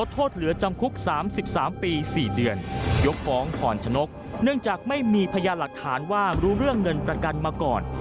เนื่องจากไม่มีพญาหลักฐานว่ารู้เรื่องเงินประกันมาก่อน